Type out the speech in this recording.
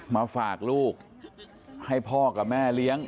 มาฝากลูกให้พ่อกับแม่เลี้ยง